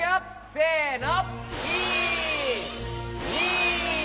せの！